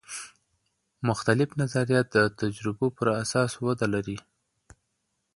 مختلف نظریات د تجربو پراساس وده لري.